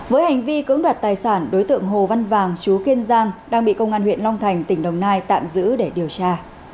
với hành vi cưỡng đoạt tài sản đối tượng hồ văn vàng chú kiên giang đang bị công an huyện long thành tỉnh đồng nai tạm giữ để điều tra